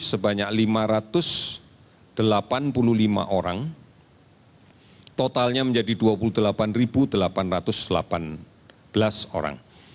sebanyak lima ratus delapan puluh lima orang totalnya menjadi dua puluh delapan delapan ratus delapan belas orang